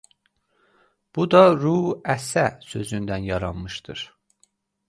Bu da rü ə sə sözündən yaranmışdır.